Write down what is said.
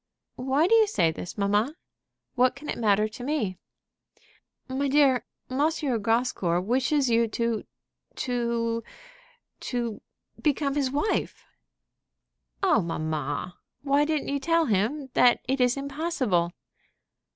"Why do you say this, mamma? What can it matter to me?" "My dear, M. Grascour wishes you to to to become his wife." "Oh, mamma, why didn't you tell him that it is impossible?"